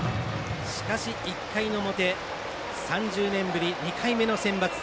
しかし、１回の表３０年ぶり２回目のセンバツ。